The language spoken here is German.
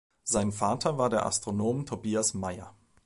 Sein Vater war der Astronom Tobias Mayer.